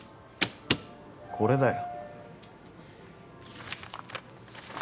これだよ。